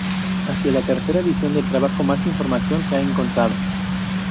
Hacia la tercera edición del trabajo más información se ha encontrado.